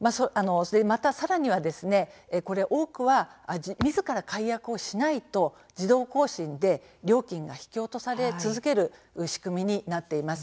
さらには多くはみずから解約しないと自動更新で料金が引き落とされ続ける仕組みになっています。